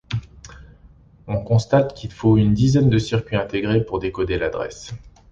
On constate qu'il faut une dizaine de circuits intégrés pour décoder l'adresse.